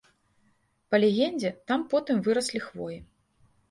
Па легендзе, там потым выраслі хвоі.